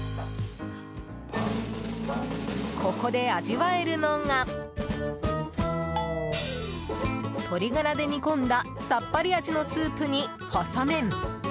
ここで味わえるのが鶏ガラで煮込んださっぱり味のスープに細麺。